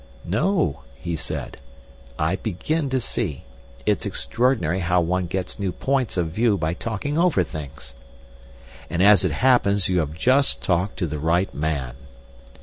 "No!" he said. "I begin to see. It's extraordinary how one gets new points of view by talking over things!" "And as it happens you have just talked to the right man!"